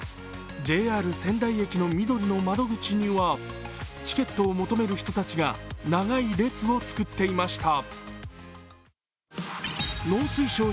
仙台駅のみどりの窓口にはチケットを求める人たちが長い列を作っていました。